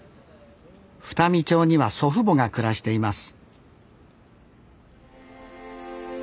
双海町には祖父母が暮らしています